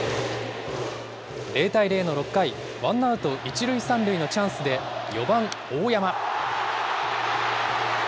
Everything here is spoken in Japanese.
０対０の６回、ワンアウト１塁３塁のチャンスで、４番大山。